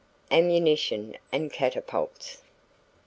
AMMUNITION AND CATAPULTS.